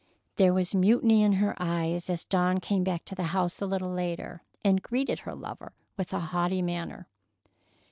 There was mutiny in her eyes as Dawn came back to the house a little later, and greeted her lover with a haughty manner.